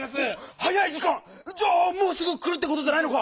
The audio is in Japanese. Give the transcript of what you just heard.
はやいじかん⁉じゃあもうすぐくるってことじゃないのか！